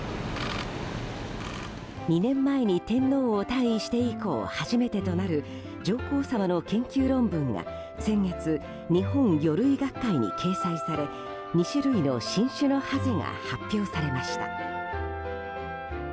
２年前に天皇を退位して以降初めてとなる上皇さまの研究論文が先月日本魚類学会に掲載され、２種類の新種のハゼが発表されました。